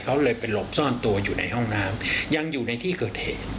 เขาเลยไปหลบซ่อนตัวอยู่ในห้องน้ำยังอยู่ในที่เกิดเหตุ